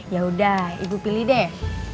ya udah ibu pilih deh